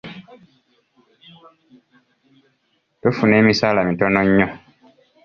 Tufuna emisaala mitono nnyo.